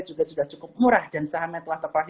juga sudah cukup murah dan sahamnya telah terpelatih